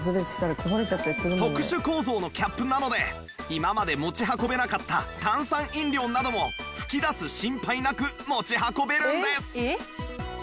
特殊構造のキャップなので今まで持ち運べなかった炭酸飲料なども吹き出す心配なく持ち運べるんです！